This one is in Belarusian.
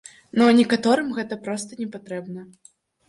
Ну, а некаторым гэта проста не патрэбна.